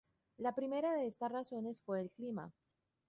La primera de estas razones fue el clima.